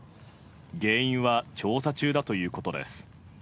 原因は調査中だということです。